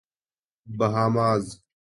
Bahamas